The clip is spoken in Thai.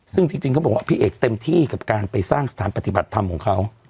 ซึ่งจริงเขาบอกว่าพี่เอกเต็มที่กับการไปสร้างสถานปฏิบัติธรรมของเขา